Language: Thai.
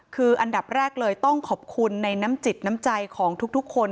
คืออันดับแรกเลยต้องขอบคุณในน้ำจิตน้ำใจของทุกคน